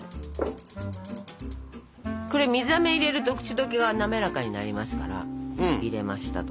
これ水あめを入れると口溶けが滑らかになりますから入れましたと。